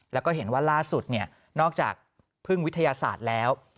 แล้วก็เห็นว่าล่าสุดนอกจากพึ่งวิทยาศาสตร์แล้ว